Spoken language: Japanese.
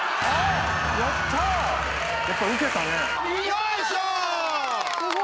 よいしょー！